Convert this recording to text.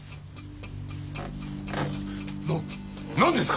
ななんですか！？